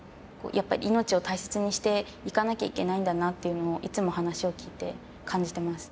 やっぱり命を大切にしていかなきゃいけないんだなっていうのをいつも話を聞いて感じてます。